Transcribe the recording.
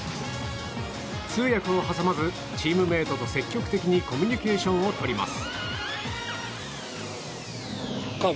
通訳を挟まず、チームメートと積極的にコミュニケーションをとります。